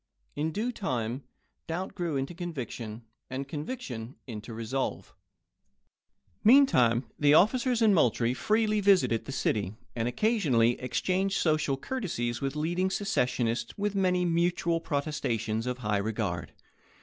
In due time, doubt grew into conviction, and conviction into resolve. Meantime the officers in Moultrie freely visited the city, and occasionally exchanged social courtesies with leading secessionists with many mutual pro testations of high regard.